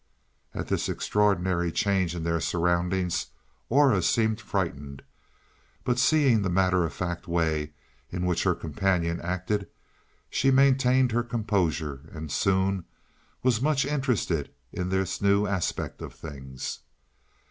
At this extraordinary change in their surroundings Aura seemed frightened, but seeing the matter of fact way in which her companion acted, she maintained her composure and soon was much interested in this new aspect of things.